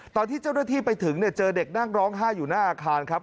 ตอนที่เจ้าหน้าที่ไปถึงเนี่ยเจอเด็กนั่งร้องไห้อยู่หน้าอาคารครับ